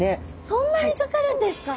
そんなにかかるんですか！？